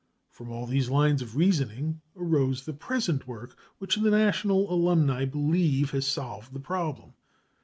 From all these lines of reasoning arose the present work, which the National Alumni believe has solved the problem.